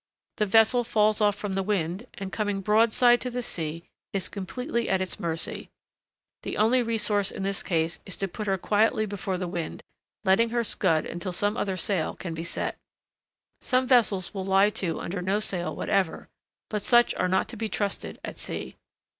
The vessel falls off from the wind, and, coming broadside to the sea, is completely at its mercy: the only resource in this case is to put her quietly before the wind, letting her scud until some other sail can be set. Some vessels will lie to under no sail whatever, but such are not to be trusted at sea.